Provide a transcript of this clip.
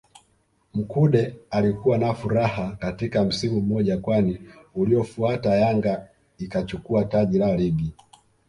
Mkude alikuwa na furaha katika msimu mmoja kwani uliofuata Yanga ikachukua taji la Ligi